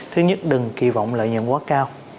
thứ nhất đừng kỳ vọng lợi nhuận quá cao